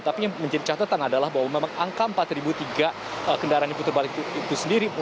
tapi yang menjadi catatan adalah bahwa memang angka empat tiga kendaraan diputar balik itu sendiri